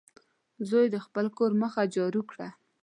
زوی د خپل کور مخه جارو کړه.